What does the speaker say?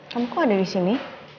kamu kok ada disini